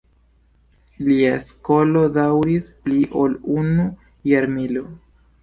Lia skolo daŭris pli ol unu jarmilo.